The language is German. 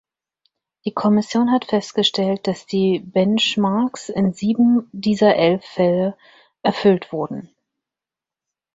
Die Kommission hat festgestellt, dass die Benchmarks in sieben dieser elf Fälle erfüllt wurden.